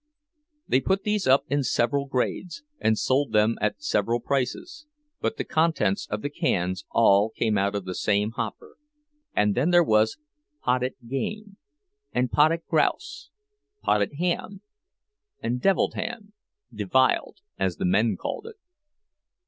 They put these up in several grades, and sold them at several prices; but the contents of the cans all came out of the same hopper. And then there was "potted game" and "potted grouse," "potted ham," and "deviled ham"—de vyled, as the men called it.